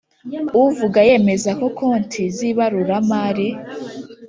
uvuga yemezako konti z ibaruramari